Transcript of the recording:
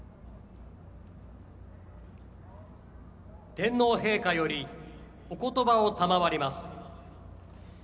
天皇陛下よりおことばを賜ります。